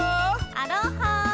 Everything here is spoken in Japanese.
アロハー！